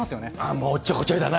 もうおっちょこちょいだな。